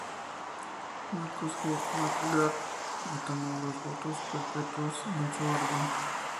Marcos G. McGrath y tomó los votos perpetuos en su orden.